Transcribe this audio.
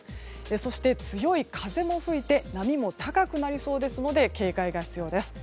そして、強い風も吹いて波も高くなりそうですので警戒が必要です。